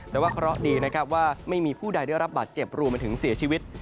แต่ว่าเคราะห์ดีนะครับว่าไม่มีผู้ใดได้รับบาดเจ็บรวมไปถึงเสียชีวิต